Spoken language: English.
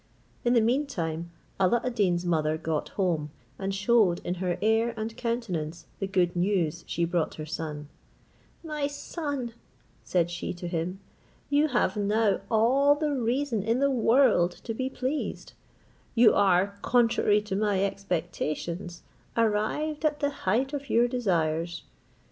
In the meantime Alla ad Deen's mother got home, and shewed in her air and countenance the good news she brought her son "My son," said she to him, "you have now all the reason in the world to be pleased: you are, contrary to my expectations, arrived at the height of your desires.